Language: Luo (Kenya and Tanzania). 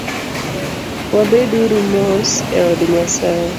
Wabed uru mos eod Nyasaye